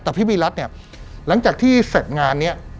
แต่พี่วิรัติเนี่ยหลังจากที่เสร็จงานเนี่ย